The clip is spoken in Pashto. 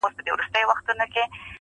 ژوند له باور نه ځواک اخلي.